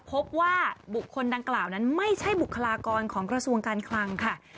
พบว่าบุคคลดังกล่าวนั้นไม่ใช่บุคลากรของกระทรวงการคลังค่ะ